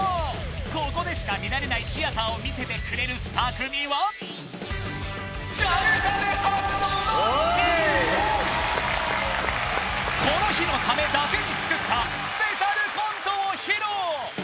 ここでしか見られないシアターを見せてくれる２組はこの日のためだけに作ったスペシャルコントを披露！